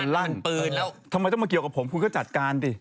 ลั่นปืนแล้วทำไมต้องมาเกี่ยวกับผมคุณก็จัดการดิ